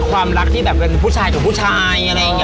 ความรักที่แบบเป็นผู้ชายกับผู้ชายอะไรอย่างนี้